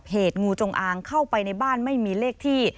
งูจงอางเข้าไปในบ้านไม่มีเลขที่